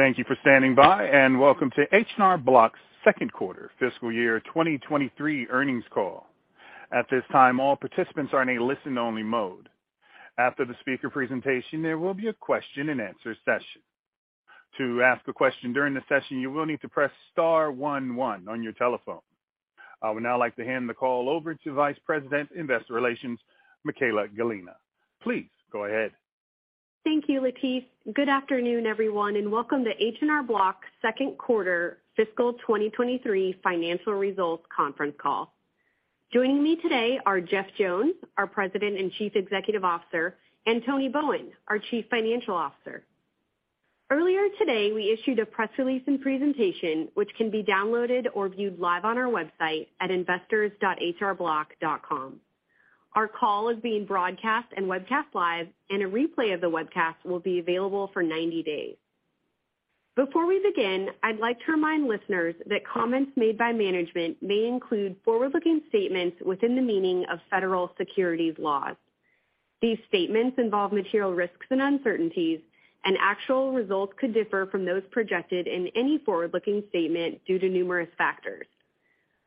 Thank you for standing by, and welcome to H&R Block's Second Quarter Fiscal Year 2023 Earnings Call. At this time, all participants are in a listen-only mode. After the speaker presentation, there will be a question-and-answer session. To ask a question during the session, you will need to press star one one on your telephone. I would now like to hand the call over to Vice President Investor Relations, Michaella Gallina. Please go ahead. Thank you, Latif. Good afternoon, everyone, and welcome to H&R Block's second quarter fiscal 2023 financial results conference call. Joining me today are Jeff Jones, our President and Chief Executive Officer, and Tony Bowen, our Chief Financial Officer. Earlier today, we issued a press release and presentation which can be downloaded or viewed live on our website at investors.hrblock.com. Our call is being broadcast and webcast live, and a replay of the webcast will be available for 90 days. Before we begin, I'd like to remind listeners that comments made by management may include forward-looking statements within the meaning of federal securities laws. These statements involve material risks and uncertainties, and actual results could differ from those projected in any forward-looking statement due to numerous factors.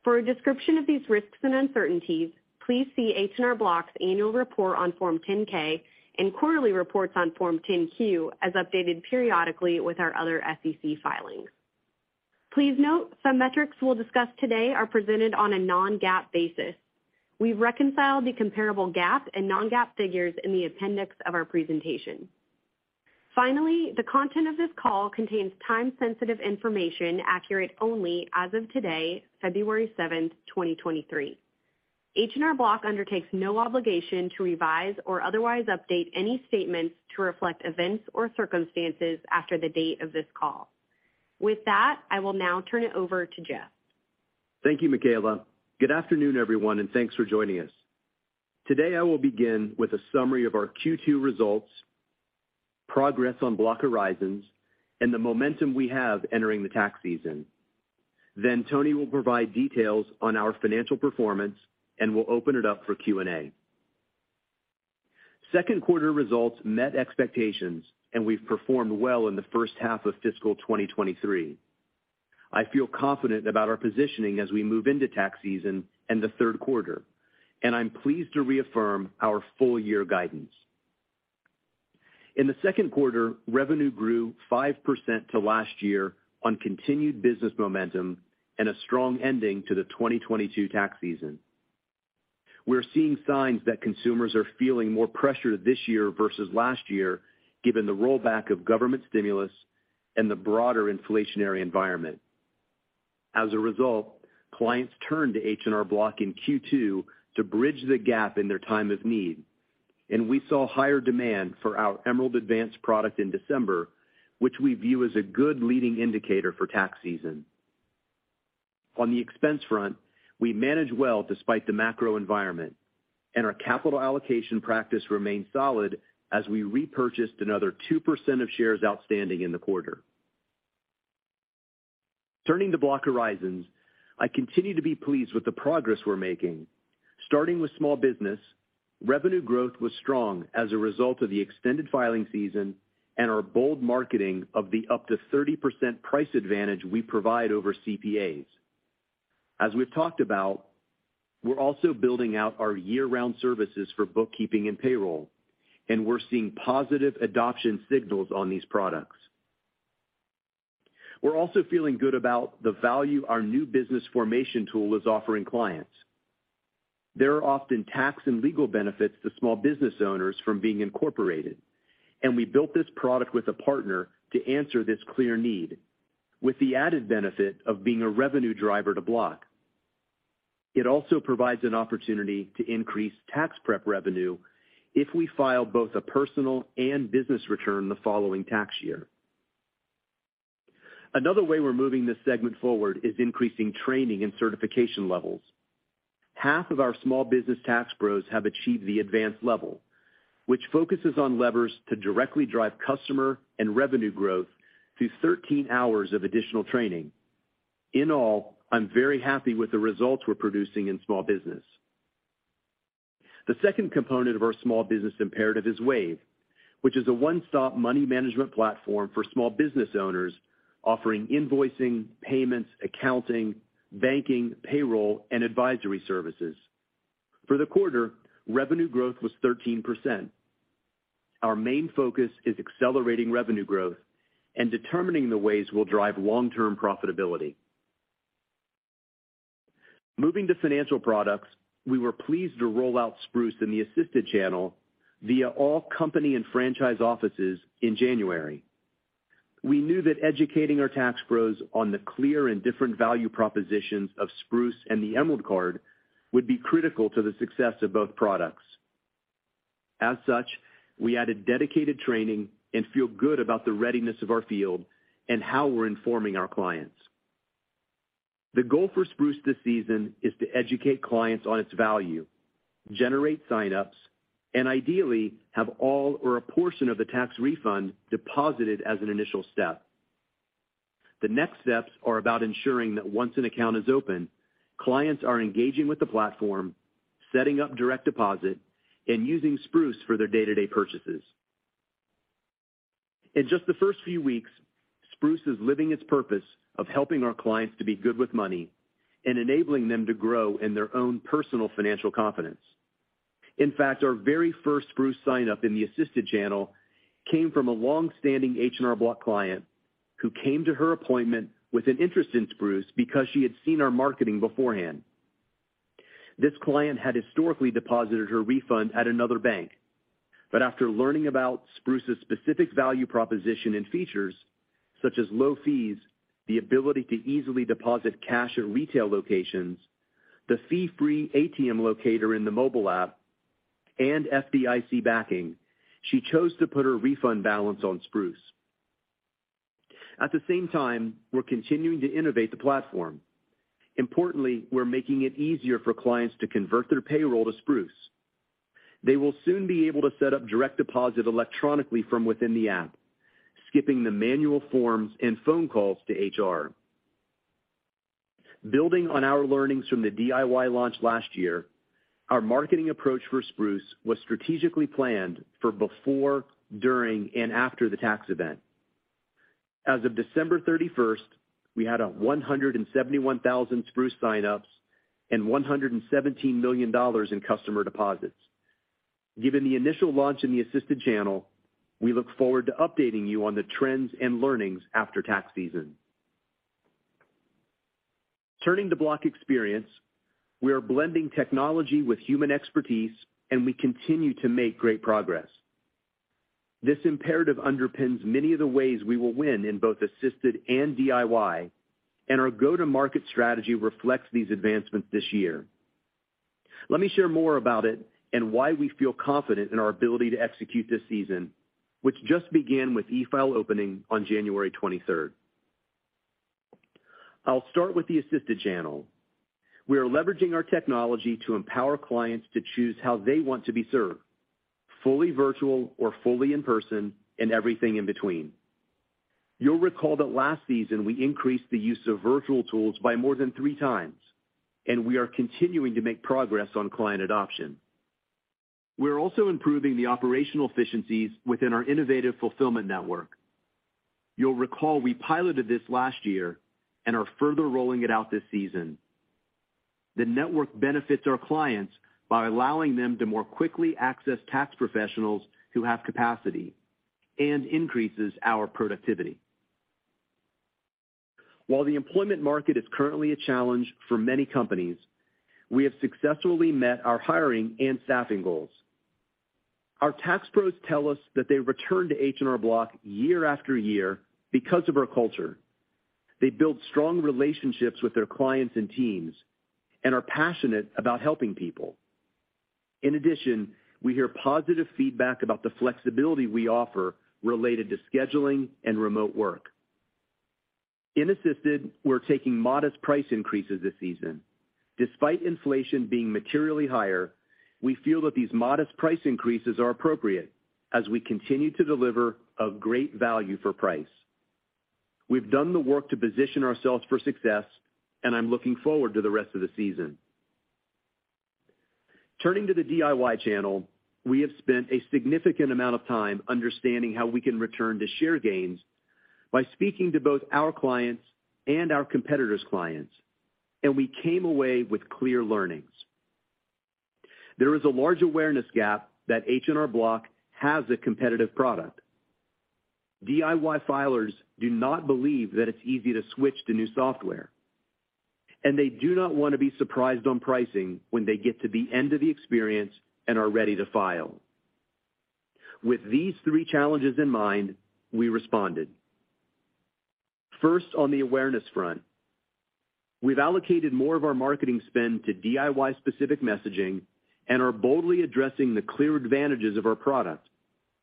For a description of these risks and uncertainties, please see H&R Block's annual report on Form 10-K and quarterly reports on Form 10-Q as updated periodically with our other SEC filings. Please note some metrics we'll discuss today are presented on a non-GAAP basis. We reconcile the comparable GAAP and non-GAAP figures in the appendix of our presentation. Finally, the content of this call contains time-sensitive information accurate only as of today, February seventh, 2023. H&R Block undertakes no obligation to revise or otherwise update any statements to reflect events or circumstances after the date of this call. With that, I will now turn it over to Jeff. Thank you, Michaella. Good afternoon, everyone, and thanks for joining us. Today, I will begin with a summary of our Q2 results, progress on Block Horizons, and the momentum we have entering the tax season. Tony will provide details on our financial performance, and we'll open it up for Q&A. Second quarter results met expectations. We've performed well in the first half of fiscal 2023. I feel confident about our positioning as we move into tax season and the third quarter. I'm pleased to reaffirm our full year guidance. In the second quarter, revenue grew 5% to last year on continued business momentum and a strong ending to the 2022 tax season. We're seeing signs that consumers are feeling more pressure this year versus last year, given the rollback of government stimulus and the broader inflationary environment. As a result, clients turned to H&R Block in Q2 to bridge the gap in their time of need. We saw higher demand for our Emerald Advance product in December, which we view as a good leading indicator for tax season. On the expense front, we managed well despite the macro environment. Our capital allocation practice remained solid as we repurchased another 2% of shares outstanding in the quarter. Turning to Block Horizons, I continue to be pleased with the progress we're making. Starting with small business, revenue growth was strong as a result of the extended filing season and our bold marketing of the up to 30% price advantage we provide over CPAs. As we've talked about, we're also building out our year-round services for bookkeeping and payroll, and we're seeing positive adoption signals on these products. We're also feeling good about the value our new business formation tool is offering clients. There are often tax and legal benefits to small business owners from being incorporated, and we built this product with a partner to answer this clear need, with the added benefit of being a revenue driver to Block. It also provides an opportunity to increase tax prep revenue if we file both a personal and business return the following tax year. Another way we're moving this segment forward is increasing training and certification levels. Half of our small business tax pros have achieved the advanced level, which focuses on levers to directly drive customer and revenue growth through 13 hours of additional training. In all, I'm very happy with the results we're producing in small business. The second component of our small business imperative is Wave, which is a one-stop money management platform for small business owners offering invoicing, payments, accounting, banking, payroll, and advisory services. For the quarter, revenue growth was 13%. Our main focus is accelerating revenue growth and determining the ways we'll drive long-term profitability. Moving to financial products, we were pleased to roll out Spruce in the Assisted channel via all company and franchise offices in January. We knew that educating our tax pros on the clear and different value propositions of Spruce and the Emerald Card would be critical to the success of both products. As such, we added dedicated training and feel good about the readiness of our field and how we're informing our clients. The goal for Spruce this season is to educate clients on its value, generate sign-ups, and ideally have all or a portion of the tax refund deposited as an initial step. The next steps are about ensuring that once an account is open, clients are engaging with the platform, setting up direct deposit, and using Spruce for their day-to-day purchases. In just the first few weeks, Spruce is living its purpose of helping our clients to be good with money and enabling them to grow in their own personal financial confidence. In fact, our very first Spruce sign-up in the Assisted channel came from a long-standing H&R Block client who came to her appointment with an interest in Spruce because she had seen our marketing beforehand. This client had historically deposited her refund at another bank. After learning about Spruce's specific value proposition and features, such as low fees, the ability to easily deposit cash at retail locations, the fee-free ATM locator in the mobile app, and FDIC backing, she chose to put her refund balance on Spruce. At the same time, we're continuing to innovate the platform. Importantly, we're making it easier for clients to convert their payroll to Spruce. They will soon be able to set up direct deposit electronically from within the app, skipping the manual forms and phone calls to HR. Building on our learnings from the DIY launch last year, our marketing approach for Spruce was strategically planned for before, during, and after the tax event. As of December 31st, we had 171,000 Spruce sign-ups and $117 million in customer deposits. Given the initial launch in the Assisted channel, we look forward to updating you on the trends and learnings after tax season. Turning to Block Experience, we are blending technology with human expertise, and we continue to make great progress. This imperative underpins many of the ways we will win in both Assisted and DIY, and our go-to-market strategy reflects these advancements this year. Let me share more about it and why we feel confident in our ability to execute this season, which just began with e-file opening on January 23rd. I'll start with the Assisted channel. We are leveraging our technology to empower clients to choose how they want to be served, fully virtual or fully in person, and everything in between. You'll recall that last season we increased the use of virtual tools by more than three times, and we are continuing to make progress on client adoption. We're also improving the operational efficiencies within our innovative fulfillment network. You'll recall we piloted this last year and are further rolling it out this season. The network benefits our clients by allowing them to more quickly access tax professionals who have capacity and increases our productivity. While the employment market is currently a challenge for many companies, we have successfully met our hiring and staffing goals. Our tax pros tell us that they return to H&R Block year after year because of our culture. They build strong relationships with their clients and teams and are passionate about helping people. In addition, we hear positive feedback about the flexibility we offer related to scheduling and remote work. In Assisted, we're taking modest price increases this season. Despite inflation being materially higher, we feel that these modest price increases are appropriate as we continue to deliver a great value for price. We've done the work to position ourselves for success, I'm looking forward to the rest of the season. Turning to the DIY channel, we have spent a significant amount of time understanding how we can return to share gains by speaking to both our clients and our competitors' clients. We came away with clear learnings. There is a large awareness gap that H&R Block has a competitive product. DIY filers do not believe that it's easy to switch to new software. They do not wanna be surprised on pricing when they get to the end of the experience and are ready to file. With these three challenges in mind, we responded. First, on the awareness front, we've allocated more of our marketing spend to DIY-specific messaging and are boldly addressing the clear advantages of our product,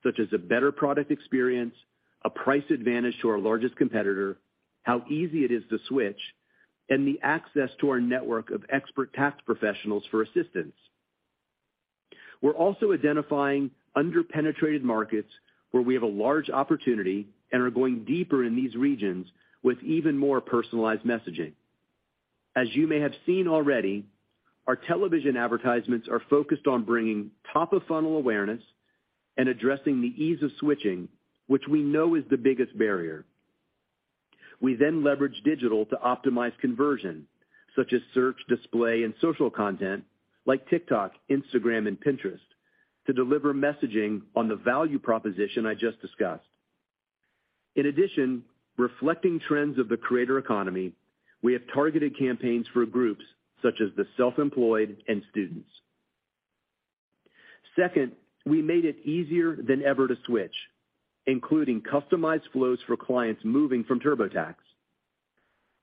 such as a better product experience, a price advantage to our largest competitor, how easy it is to switch, and the access to our network of expert tax professionals for assistance. We're also identifying under-penetrated markets where we have a large opportunity and are going deeper in these regions with even more personalized messaging. As you may have seen already, our television advertisements are focused on bringing top-of-funnel awareness and addressing the ease of switching, which we know is the biggest barrier. We leverage digital to optimize conversion, such as search, display, and social content, like TikTok, Instagram, and Pinterest, to deliver messaging on the value proposition I just discussed. In addition, reflecting trends of the creator economy, we have targeted campaigns for groups such as the self-employed and students. Second, we made it easier than ever to switch, including customized flows for clients moving from TurboTax.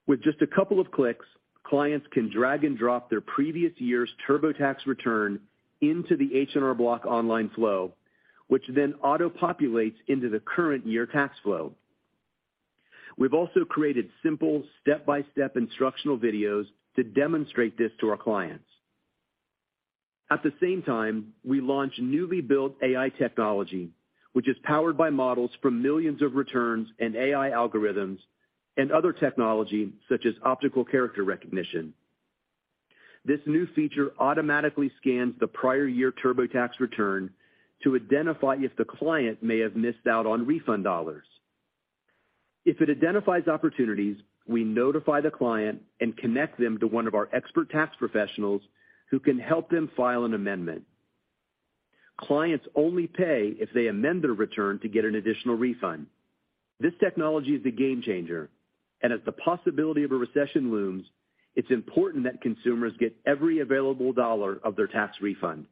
With just a couple of clicks, clients can drag and drop their previous year's TurboTax return into the H&R Block online flow, which then auto-populates into the current year tax flow. We've also created simple step-by-step instructional videos to demonstrate this to our clients. At the same time, we launched newly built AI technology, which is powered by models from millions of returns and AI algorithms and other technology such as optical character recognition. This new feature automatically scans the prior year TurboTax return to identify if the client may have missed out on refund dollars. If it identifies opportunities, we notify the client and connect them to one of our expert tax professionals who can help them file an amendment. Clients only pay if they amend their return to get an additional refund. This technology is a game changer, and as the possibility of a recession looms, it's important that consumers get every available dollar of their tax refund.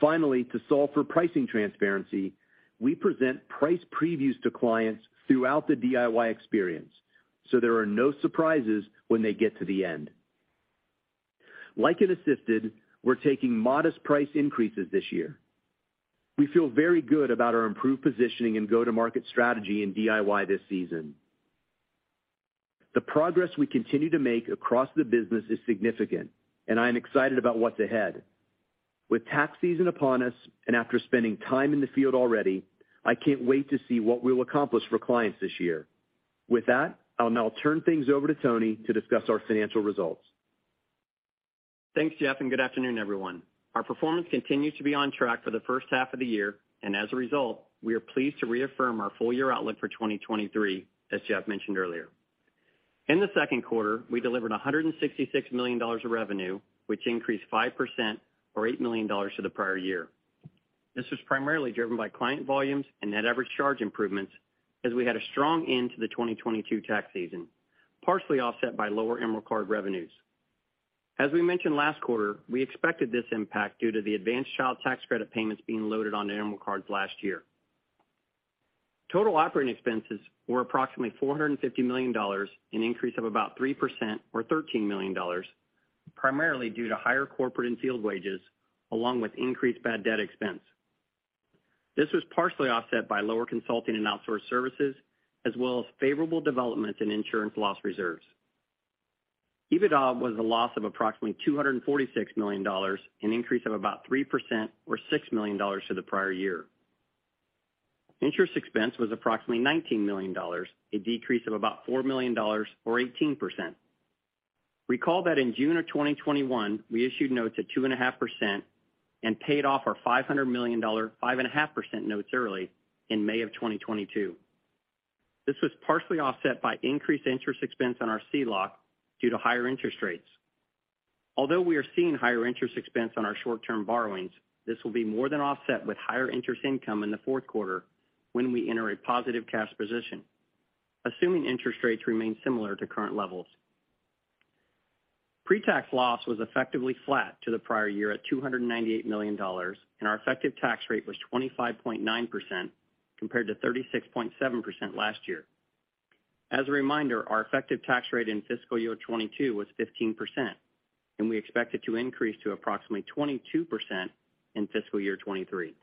To solve for pricing transparency, we present price previews to clients throughout the DIY experience, so there are no surprises when they get to the end. Like in Assisted, we're taking modest price increases this year. We feel very good about our improved positioning and go-to-market strategy in DIY this season. The progress we continue to make across the business is significant, and I am excited about what's ahead. With tax season upon us, and after spending time in the field already, I can't wait to see what we'll accomplish for clients this year. With that, I'll now turn things over to Tony to discuss our financial results. Thanks, Jeff, and good afternoon, everyone. Our performance continues to be on track for the first half of the year, and as a result, we are pleased to reaffirm our full year outlook for 2023, as Jeff mentioned earlier. In the second quarter, we delivered $166 million of revenue, which increased 5% or $8 million to the prior year. This was primarily driven by client volumes and net average charge improvements as we had a strong end to the 2022 tax season, partially offset by lower Emerald Card revenues. As we mentioned last quarter, we expected this impact due to the advanced Child Tax Credit payments being loaded onto Emerald Cards last year. Total operating expenses were approximately $450 million, an increase of about 3% or $13 million, primarily due to higher corporate and field wages, along with increased bad debt expense. This was partially offset by lower consulting and outsourced services, as well as favorable development in insurance loss reserves. EBITDA was a loss of approximately $246 million, an increase of about 3% or $6 million to the prior year. Interest expense was approximately $19 million, a decrease of about $4 million or 18%. Recall that in June 2021, we issued notes at 2.5% and paid off our $500 million 5.5% notes early in May 2022. This was partially offset by increased interest expense on our CLOC due to higher interest rates. Although we are seeing higher interest expense on our short-term borrowings, this will be more than offset with higher interest income in the fourth quarter when we enter a positive cash position, assuming interest rates remain similar to current levels. Pre-tax loss was effectively flat to the prior year at $298 million. Our effective tax rate was 25.9% compared to 36.7% last year. As a reminder, our effective tax rate in fiscal year 2022 was 15%, and we expect it to increase to approximately 22% in fiscal year 2023.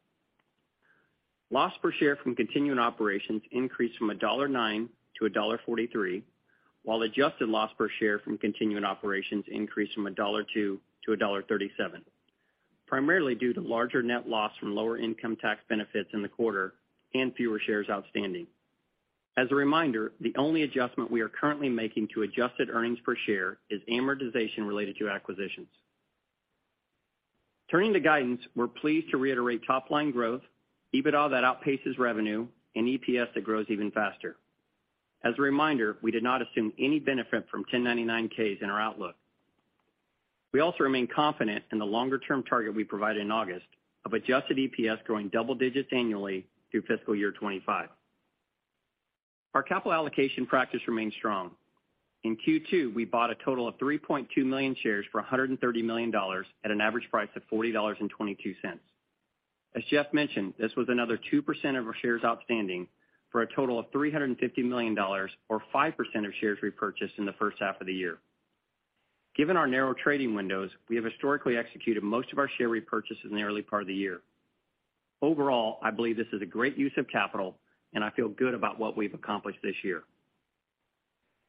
Loss per share from continuing operations increased from $1.09-$1.43, while adjusted loss per share from continuing operations increased from $1.02-$1.37, primarily due to larger net loss from lower income tax benefits in the quarter and fewer shares outstanding. As a reminder, the only adjustment we are currently making to adjusted earnings per share is amortization related to acquisitions. Turning to guidance, we're pleased to reiterate top-line growth, EBITDA that outpaces revenue, and EPS that grows even faster. As a reminder, we did not assume any benefit from 1099-Ks in our outlook. We also remain confident in the longer-term target we provided in August of adjusted EPS growing double digits annually through fiscal year 2025. Our capital allocation practice remains strong. In Q2, we bought a total of 3.2 million shares for $130 million at an average price of $40.22. As Jeff mentioned, this was another 2% of our shares outstanding for a total of $350 million or 5% of shares repurchased in the first half of the year. Given our narrow trading windows, we have historically executed most of our share repurchases in the early part of the year. Overall, I believe this is a great use of capital, and I feel good about what we've accomplished this year.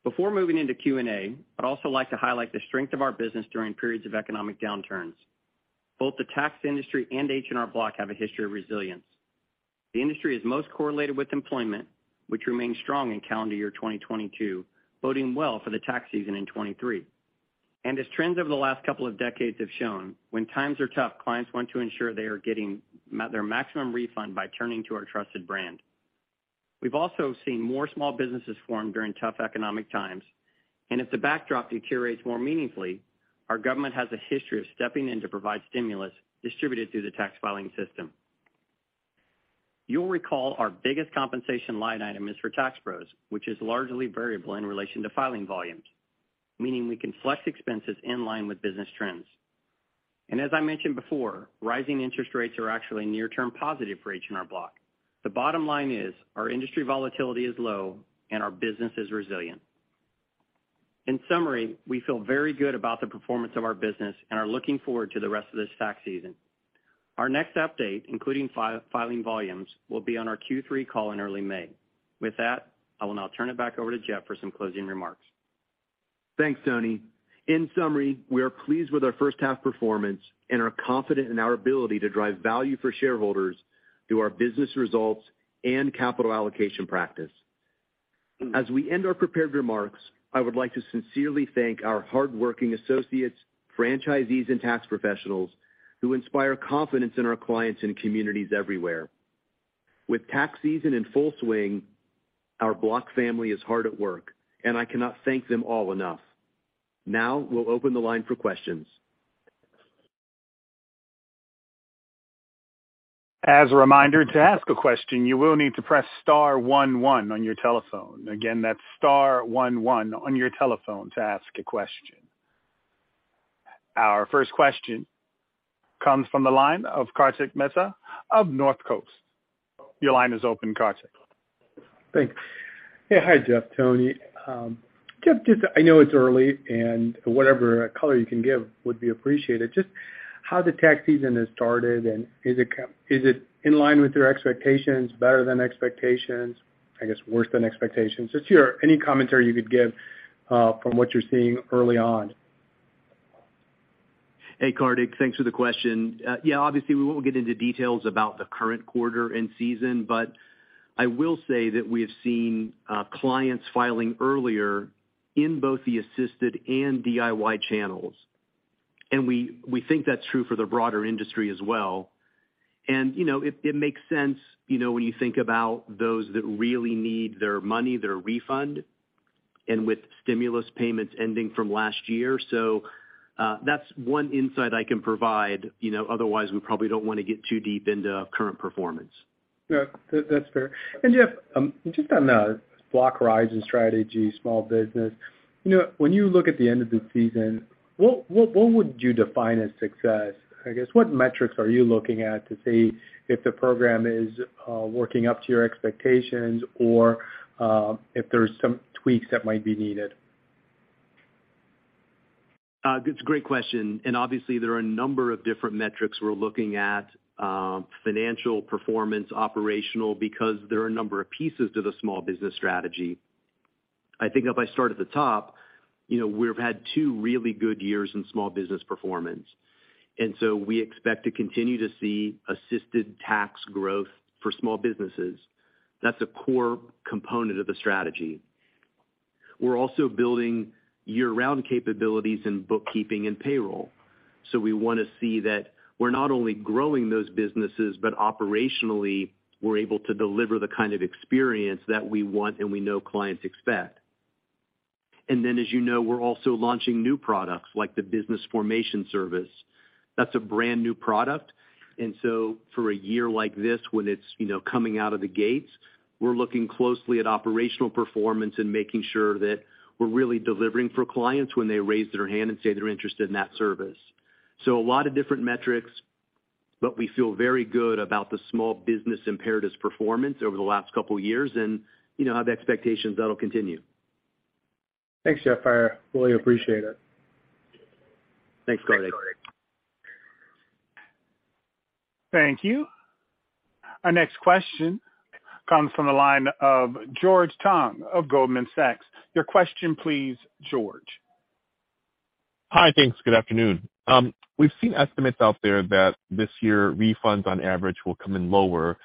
Before moving into Q&A, I'd also like to highlight the strength of our business during periods of economic downturns. Both the tax industry and H&R Block have a history of resilience. The industry is most correlated with employment, which remains strong in calendar year 2022, boding well for the tax season in 2023. As trends over the last couple of decades have shown, when times are tough, clients want to ensure they are getting their maximum refund by turning to our trusted brand. We've also seen more small businesses form during tough economic times, if the backdrop deteriorates more meaningfully, our government has a history of stepping in to provide stimulus distributed through the tax filing system. You'll recall our biggest compensation line item is for tax pros, which is largely variable in relation to filing volumes, meaning we can flex expenses in line with business trends. As I mentioned before, rising interest rates are actually a near-term positive for H&R Block. The bottom line is our industry volatility is low, our business is resilient. In summary, we feel very good about the performance of our business and are looking forward to the rest of this tax season. Our next update, including filing volumes, will be on our Q3 call in early May. With that, I will now turn it back over to Jeff for some closing remarks. Thanks, Tony. In summary, we are pleased with our first half performance and are confident in our ability to drive value for shareholders through our business results and capital allocation practice. As we end our prepared remarks, I would like to sincerely thank our hardworking associates, franchisees, and tax professionals who inspire confidence in our clients and communities everywhere. With tax season in full swing, our Block family is hard at work, and I cannot thank them all enough. Now we'll open the line for questions. As a reminder, to ask a question, you will need to press star one one on your telephone. Again, that's star one one on your telephone to ask a question. Our first question comes from the line of Kartik Mehta of Northcoast Research. Your line is open, Kartik. Thanks. Yeah, hi, Jeff, Tony. Jeff, just I know it's early and whatever color you can give would be appreciated. Just how the tax season has started, and is it in line with your expectations, better than expectations? I guess, worse than expectations? Just any commentary you could give from what you're seeing early on. Hey, Kartik. Thanks for the question. Yeah, obviously, we won't get into details about the current quarter and season, but I will say that we have seen clients filing earlier in both the Assisted and DIY channels. We think that's true for the broader industry as well. You know, it makes sense, you know, when you think about those that really need their money, their refund, and with stimulus payments ending from last year. That's one insight I can provide. You know, otherwise, we probably don't wanna get too deep into current performance. Yeah. That's fair. Jeff, just on the Block Horizons strategy, small business. You know, when you look at the end of the season, what would you define as success? I guess, what metrics are you looking at to see if the program is working up to your expectations or if there's some tweaks that might be needed? It's a great question. Obviously, there are a number of different metrics we're looking at, financial performance, operational, because there are a number of pieces to the small business strategy. I think if I start at the top, you know, we've had two really good years in small business performance. We expect to continue to see Assisted tax growth for small businesses. That's a core component of the strategy. We're also building year-round capabilities in bookkeeping and payroll. We wanna see that we're not only growing those businesses, but operationally, we're able to deliver the kind of experience that we want and we know clients expect. As you know, we're also launching new products like the business formation service. That's a brand-new product. For a year like this, when it's, you know, coming out of the gates, we're looking closely at operational performance and making sure that we're really delivering for clients when they raise their hand and say they're interested in that service. A lot of different metrics, but we feel very good about the small business imperatives performance over the last couple of years and, you know, have expectations that'll continue. Thanks, Jeff. I really appreciate it. Thanks, Kartik. Thank you. Our next question comes from the line of George Tong of Goldman Sachs. Your question, please, George. Hi. Thanks. Good afternoon. We've seen estimates out there that this year refunds on average will come in lower,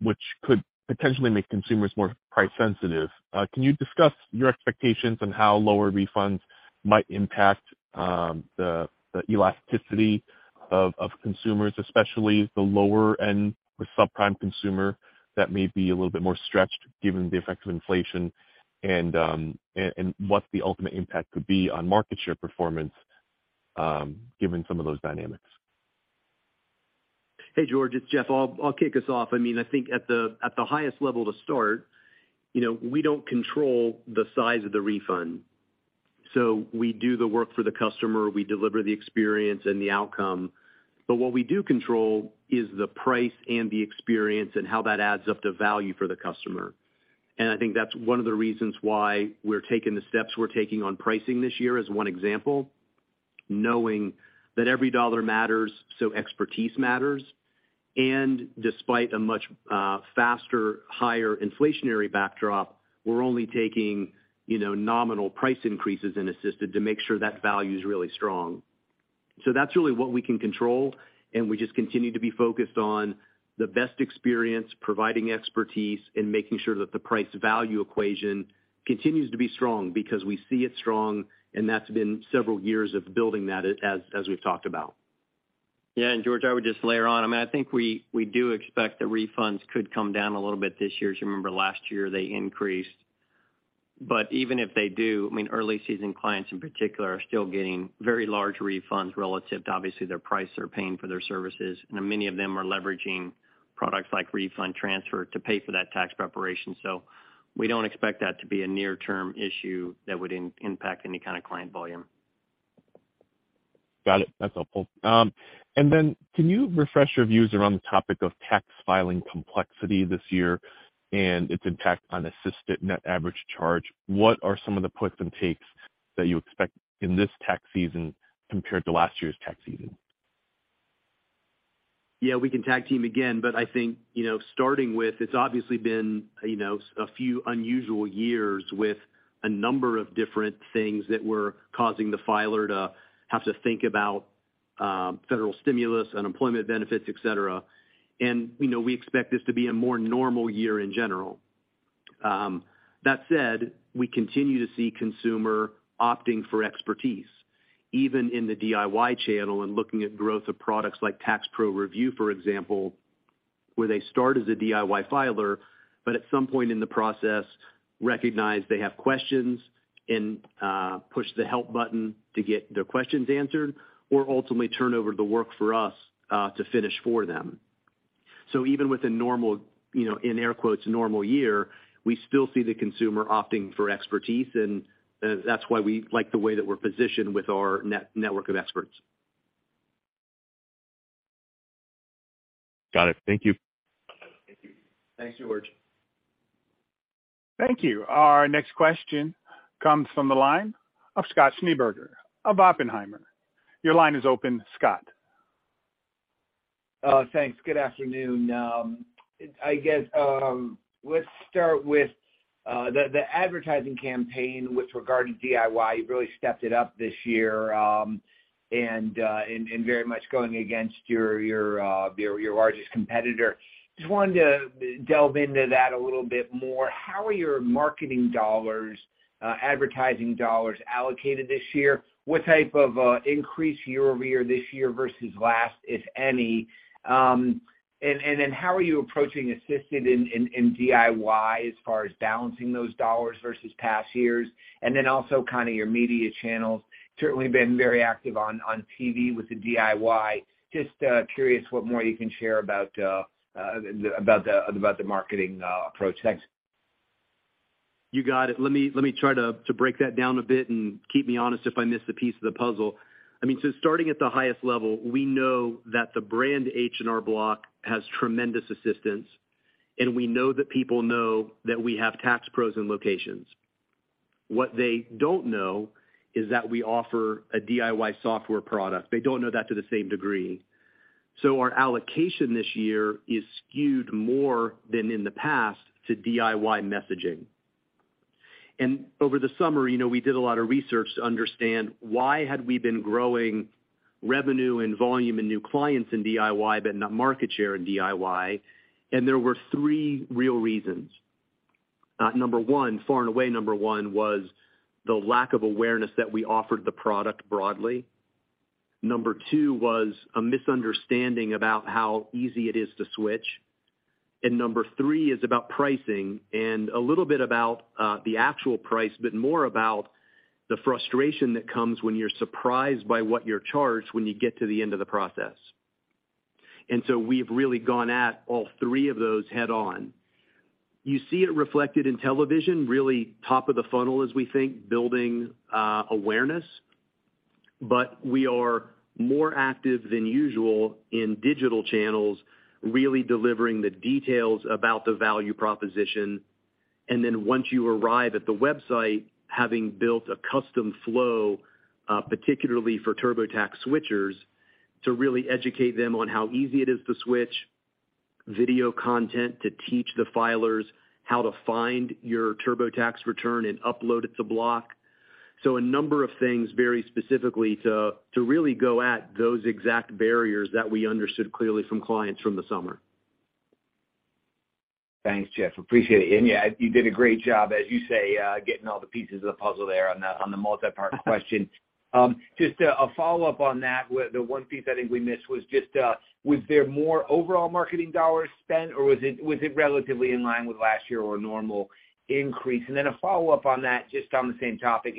which could potentially make consumers more price sensitive. Can you discuss your expectations on how lower refunds might impact the elasticity of consumers, especially the lower-end or subprime consumer that may be a little bit more stretched given the effects of inflation and what the ultimate impact could be on market share performance, given some of those dynamics? Hey, George, it's Jeff. I'll kick us off. I mean, I think at the highest level to start, you know, we don't control the size of the refund. We do the work for the customer, we deliver the experience and the outcome. What we do control is the price and the experience and how that adds up to value for the customer. I think that's one of the reasons why we're taking the steps we're taking on pricing this year, as one example. Knowing that every dollar matters, so expertise matters. Despite a much faster, higher inflationary backdrop, we're only taking, you know, nominal price increases in Assisted to make sure that value is really strong. That's really what we can control, and we just continue to be focused on the best experience, providing expertise, and making sure that the price value equation continues to be strong because we see it strong, and that's been several years of building that as we've talked about. Yeah. George, I would just layer on. I mean, I think we do expect the refunds could come down a little bit this year, 'cause you remember last year, they increased. Even if they do, I mean, early season clients in particular are still getting very large refunds relative to obviously their price they're paying for their services. Many of them are leveraging products like Refund Transfer to pay for that tax preparation. We don't expect that to be a near-term issue that would impact any kinda client volume. Got it. That's helpful. Then can you refresh your views around the topic of tax filing complexity this year and its impact on Assisted net average charge? What are some of the puts and takes that you expect in this tax season compared to last year's tax season? Yeah, we can tag team again, but I think, you know, starting with it's obviously been, you know, a few unusual years with a number of different things that were causing the filer to have to think about, federal stimulus, unemployment benefits, et cetera. You know, we expect this to be a more normal year in general. That said, we continue to see consumer opting for expertise, even in the DIY channel and looking at growth of products like Tax Pro Review, for example, where they start as a DIY filer, but at some point in the process, recognize they have questions and push the help button to get their questions answered or ultimately turn over the work for us to finish for them. Even with a normal, you know, in air quotes, "normal year," we still see the consumer opting for expertise, and that's why we like the way that we're positioned with our network of experts. Got it. Thank you. Thank you. Thanks, George. Thank you. Our next question comes from the line of Scott Schneeberger of Oppenheimer. Your line is open, Scott. Thanks. Good afternoon. I guess, let's start with the advertising campaign with regard to DIY. You've really stepped it up this year, and very much going against your largest competitor. Just wanted to delve into that a little bit more. How are your marketing dollars, advertising dollars allocated this year? What type of increase year-over-year this year versus last, if any? How are you approaching Assisted in DIY as far as balancing those dollars versus past years? Also kind of your media channels certainly been very active on TV with the DIY. Just curious what more you can share about the marketing approach. Thanks. You got it. Let me try to break that down a bit and keep me honest if I miss the piece of the puzzle. Starting at the highest level, we know that the brand H&R Block has tremendous assistance, and we know that people know that we have Tax Pros in locations. What they don't know is that we offer a DIY software product. They don't know that to the same degree. Our allocation this year is skewed more than in the past to DIY messaging. Over the summer, you know, we did a lot of research to understand why had we been growing revenue and volume and new clients in DIY, but not market share in DIY. There were three real reasons. Number one, far and away number 1 was the lack of awareness that we offered the product broadly. Number 2 was a misunderstanding about how easy it is to switch. Number three is about pricing and a little bit about the actual price, but more about the frustration that comes when you're surprised by what you're charged when you get to the end of the process. We've really gone at all three of those head on. You see it reflected in television, really top of the funnel as we think, building awareness. We are more active than usual in digital channels, really delivering the details about the value proposition. Once you arrive at the website, having built a custom flow, particularly for TurboTax switchers, to really educate them on how easy it is to switch, video content to teach the filers how to find your TurboTax return and upload it to Block. A number of things very specifically to really go at those exact barriers that we understood clearly from clients from the summer. Thanks, Jeff, appreciate it. Yeah, you did a great job, as you say, getting all the pieces of the puzzle there on the, on the multipart question. Just a follow-up on that. The one piece I think we missed was just, was there more overall marketing dollars spent, or was it, was it relatively in line with last year or a normal increase? Then a follow-up on that just on the same topic.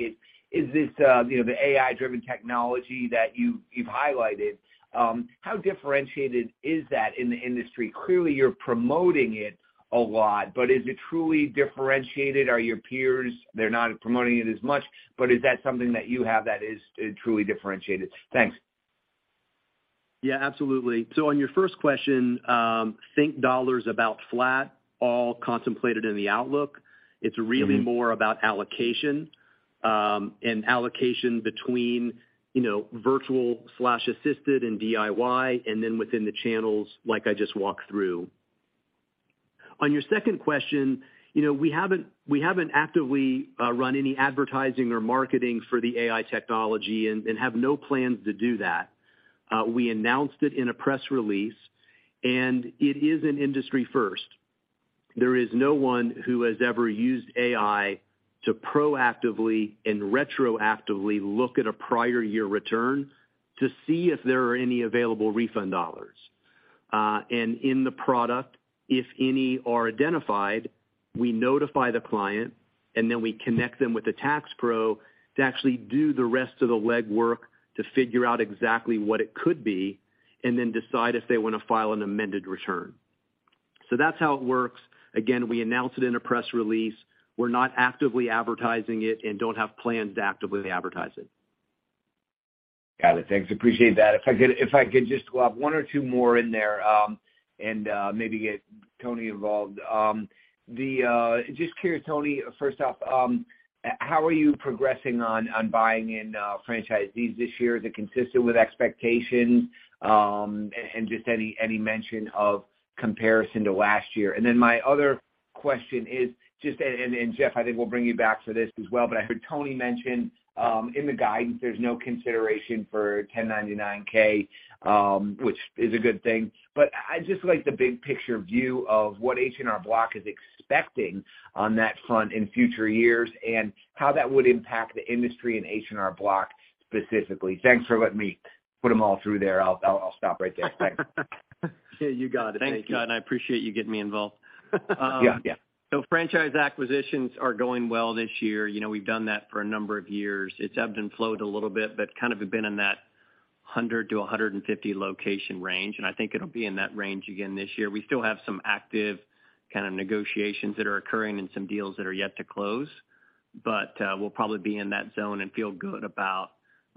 Is this, you know, the AI-driven technology that you've highlighted, how differentiated is that in the industry? Clearly, you're promoting it a lot, but is it truly differentiated? Are your peers, they're not promoting it as much, but is that something that you have that is truly differentiated? Thanks. Absolutely. On your first question, think dollars about flat, all contemplated in the outlook. It's really more about allocation, and allocation between, you know, Virtual/Assisted and DIY and then within the channels like I just walked through. On your second question, you know, we haven't actively run any advertising or marketing for the AI technology and have no plans to do that. We announced it in a press release, and it is an industry first. There is no one who has ever used AI to proactively and retroactively look at a prior year return to see if there are any available refund dollars. In the product, if any are identified, we notify the client, we connect them with a tax pro to actually do the rest of the legwork to figure out exactly what it could be and then decide if they wanna file an amended return. That's how it works. Again, we announced it in a press release. We're not actively advertising it and don't have plans to actively advertise it. Got it. Thanks. Appreciate that. If I could just Glob 1 or 2 more in there, maybe get Tony involved. Just curious, Tony, first off, how are you progressing on buying in franchisees this year? Is it consistent with expectations? Just any mention of comparison to last year. My other question Jeff, I think we'll bring you back for this as well. I heard Tony mention in the guidance, there's no consideration for 1099-K, which is a good thing. I'd just like the big picture view of what H&R Block is expecting on that front in future years and how that would impact the industry and H&R Block specifically. Thanks for letting me put them all through there. I'll stop right there. Thanks. Yeah, you got it. Thank you. Thanks, Scott, I appreciate you getting me involved. Yeah, yeah. Franchise acquisitions are going well this year. You know, we've done that for a number of years. It's ebbed and flowed a little bit, but kind of been in that 100-150 location range, and I think it'll be in that range again this year. We still have some active kind of negotiations that are occurring and some deals that are yet to close. We'll probably be in that zone and feel good about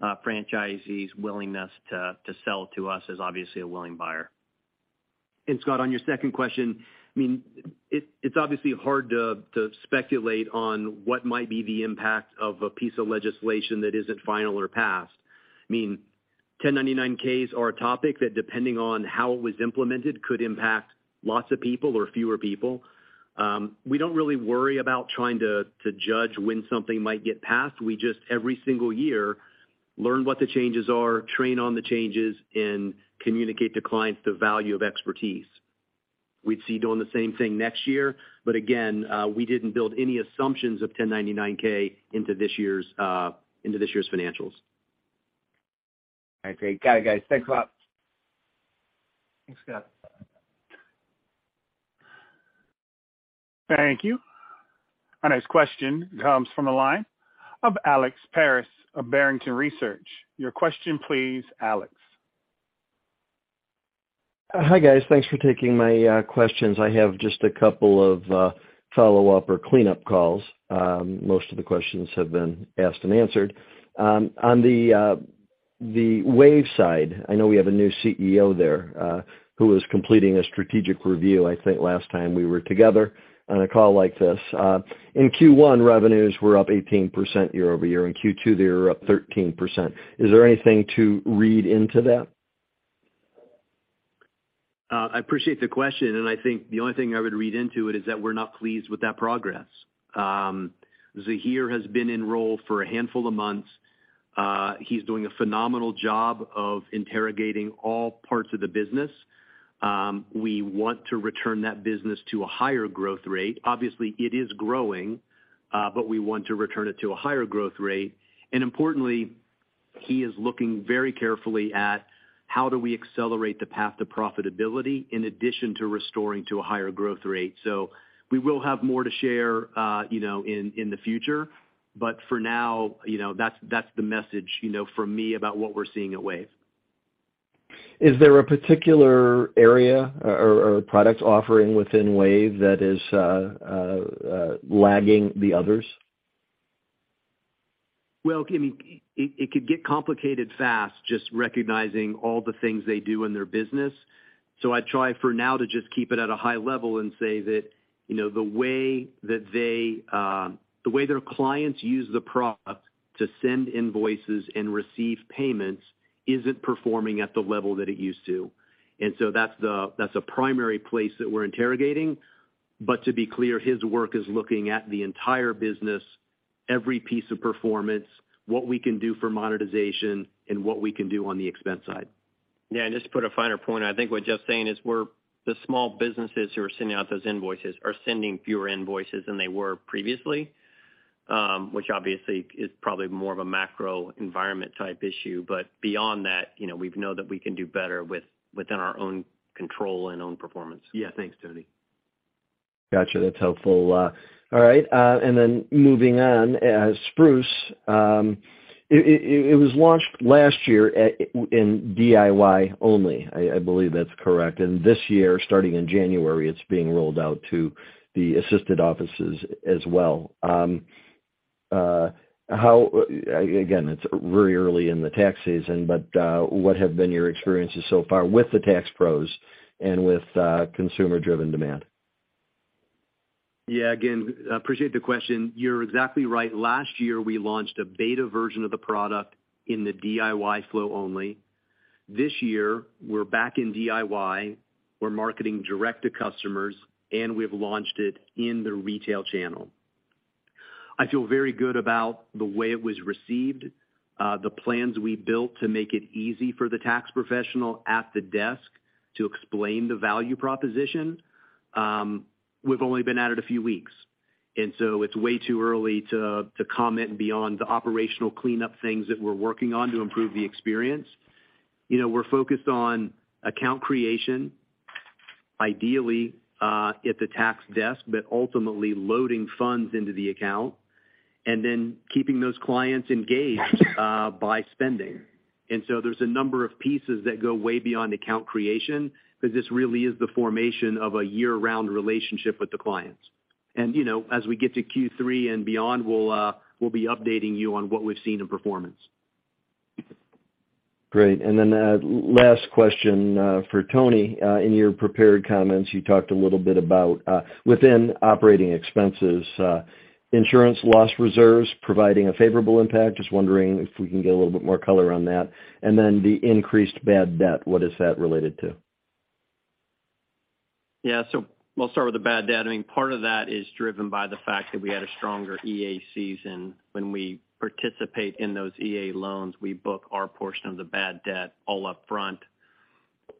franchisees' willingness to sell to us as obviously a willing buyer. Scott, on your second question, I mean, it's obviously hard to speculate on what might be the impact of a piece of legislation that isn't final or passed. I mean, 1099-Ks are a topic that, depending on how it was implemented, could impact lots of people or fewer people. We don't really worry about trying to judge when something might get passed. We just, every single year, learn what the changes are, train on the changes, and communicate to clients the value of expertise. We'd see doing the same thing next year. Again, we didn't build any assumptions of 1099-K into this year's into this year's financials. Okay. Got it, guys. Thanks a lot. Thanks, Scott. Thank you. Our next question comes from the line of Alex Paris of Barrington Research. Your question, please, Alex. Hi, guys. Thanks for taking my questions. I have just a couple of follow-up or cleanup calls. Most of the questions have been asked and answered. On the Wave side, I know we have a new CEO there, who was completing a strategic review, I think last time we were together on a call like this. In Q1, revenues were up 18% year-over-year. In Q2, they were up 13%. Is there anything to read into that? I appreciate the question. I think the only thing I would read into it is that we're not pleased with that progress. Jamir has been enrolled for a handful of months. He's doing a phenomenal job of interrogating all parts of the business. We want to return that business to a higher growth rate. Obviously, it is growing. We want to return it to a higher growth rate. Importantly, he is looking very carefully at how do we accelerate the path to profitability in addition to restoring to a higher growth rate. We will have more to share, you know, in the future. For now, you know, that's the message, you know, from me about what we're seeing at Wave. Is there a particular area or product offering within Wave that is lagging the others? Well, I mean, it could get complicated fast just recognizing all the things they do in their business. I try for now to just keep it at a high level and say that, you know, the way that they, the way their clients use the product to send invoices and receive payments isn't performing at the level that it used to. That's a primary place that we're interrogating. To be clear, his work is looking at the entire business, every piece of performance, what we can do for monetization, and what we can do on the expense side. Yeah, just to put a finer point, I think what Jeff's saying is we're the small businesses who are sending out those invoices are sending fewer invoices than they were previously, which obviously is probably more of a macro environment type issue. Beyond that, you know, we know that we can do better within our own control and own performance. Yeah. Thanks, Tony. Gotcha. That's helpful. All right, then moving on. Spruce, it was launched last year in DIY only. I believe that's correct. This year, starting in January, it's being rolled out to the Assisted offices as well. Again, it's really early in the tax season, but what have been your experiences so far with the tax pros and with consumer-driven demand? Again, appreciate the question. You're exactly right. Last year, we launched a beta version of the product in the DIY flow only. This year, we're back in DIY. We're marketing direct to customers, and we've launched it in the retail channel. I feel very good about the way it was received, the plans we built to make it easy for the tax professional at the desk to explain the value proposition. We've only been at it a few weeks, it's way too early to comment beyond the operational cleanup things that we're working on to improve the experience. You know, we're focused on account creation, ideally, at the tax desk, but ultimately loading funds into the account and then keeping those clients engaged, by spending. There's a number of pieces that go way beyond account creation, but this really is the formation of a year-round relationship with the clients. You know, as we get to Q3 and beyond, we'll be updating you on what we've seen in performance. Great. Last question, for Tony. In your prepared comments, you talked a little bit about within operating expenses, insurance loss reserves providing a favorable impact. Just wondering if we can get a little bit more color on that? The increased bad debt, what is that related to? We'll start with the bad debt. I mean, part of that is driven by the fact that we had a stronger EA season. When we participate in those EA loans, we book our portion of the bad debt all up front.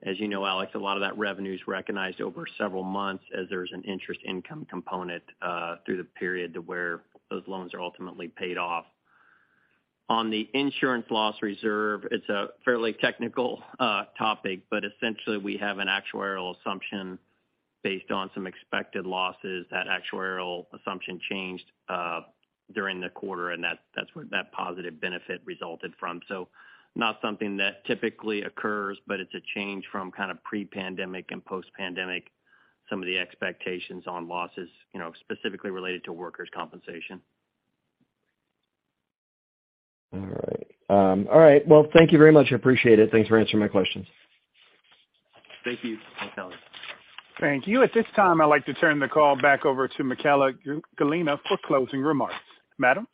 As you know, Alex, a lot of that revenue is recognized over several months as there's an interest income component through the period to where those loans are ultimately paid off. On the insurance loss reserve, it's a fairly technical topic, but essentially we have an actuarial assumption based on some expected losses. That actuarial assumption changed during the quarter, and that's where that positive benefit resulted from. Not something that typically occurs, but it's a change from kind of pre-pandemic and post-pandemic, some of the expectations on losses, you know, specifically related to workers compensation. All right. All right. Well, thank you very much. I appreciate it. Thanks for answering my questions. Thank you. Thanks, Alex. Thank you. At this time, I'd like to turn the call back over to Michaella Gallina for closing remarks. Madam?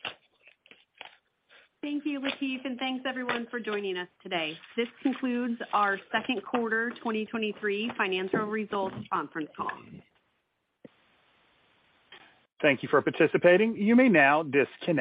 Thank you, Latif, and thanks everyone for joining us today. This concludes our second quarter 2023 financial results conference call. Thank you for participating. You may now disconnect.